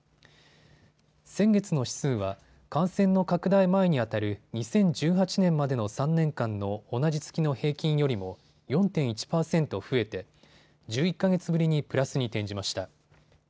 先月の指数は感染の拡大前にあたる２０１８年までの３年間の同じ月の平均よりも４．１％増えて１１か月ぶりにプラスに転じました。